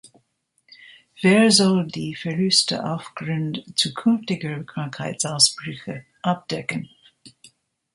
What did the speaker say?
Wer soll die Verluste aufgrund zukünftiger Krankheitsausbrüche abdecken?